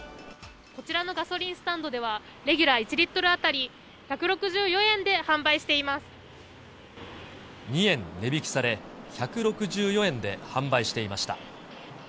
こちらのガソリンスタンドではレギュラー１リットル当たり２円値引きされ、１６４円で販売していました。